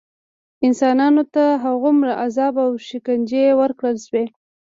انسانانو ته هغومره عذاب او شکنجې ورکړل شوې.